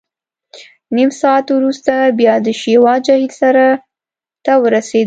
نیم ساعت وروسته بیا د شیوا جهیل سر ته ورسېدو.